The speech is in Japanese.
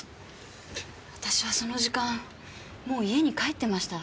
私はその時間もう家に帰ってました。